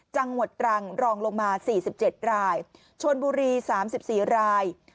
จังหวัดตรังรองลงมา๔๗รายชนบุรี๓๔ราย